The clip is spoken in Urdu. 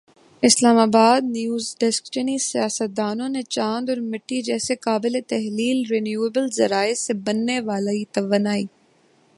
اسلام آبادنیو زڈیسکچینی سائنسدانوں نے چاند اور مٹی جیسے قابلِ تحلیل رینیوایبل ذرائع سے بننے والی توانائی